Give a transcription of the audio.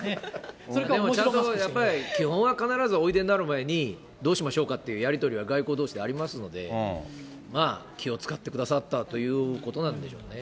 でも、ちゃんと、基本は必ずおいでになる前に、どうしましょうかというやり取りは外交どうしでありますので、まあ、気を遣ってくださったということなんでしょうね。